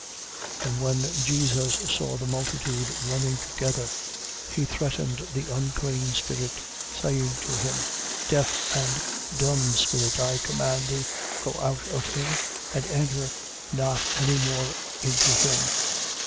9:24. And when Jesus saw the multitude running together, he threatened the unclean spirit, saying to him: Deaf and dumb spirit, I command thee, go out of him and enter not any more into him.